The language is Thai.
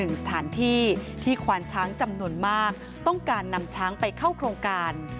สถานที่ที่ควานช้างจำนวนมากต้องการนำช้างไปเข้าโครงการ